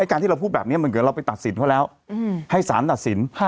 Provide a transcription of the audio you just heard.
การที่เราพูดแบบนี้เหมือนเราไปตัดสินก็แล้วให้ศาลตัดสิน